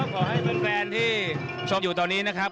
ขอให้แฟนที่ชมอยู่ตอนนี้นะครับ